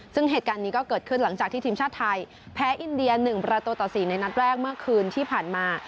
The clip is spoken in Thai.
ซึ่งเหตุการณ์นี้ก็เกิดขึ้นหลังจากที่ทีมชาติไทยแพ้อินเดีย๑ประตูต่อ๔ในนัดแรกเมื่อคืนที่ผ่านมา